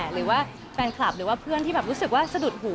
หรือว่าแฟนคลับหรือว่าเพื่อนที่แบบรู้สึกว่าสะดุดหู